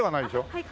はい。